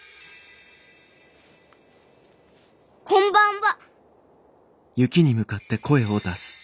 こんばんは。